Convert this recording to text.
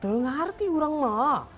tengah sih orang ma